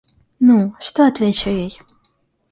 Ну, что отвечу ей?!